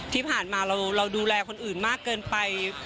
ที่ผ่านมาเราดูแลคนอื่นมากเกินไป